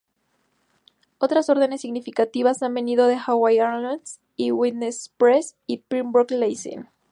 Otras órdenes significativas han venido de Hawaiian Airlines y Midwest Express, y Pembroke Leasing.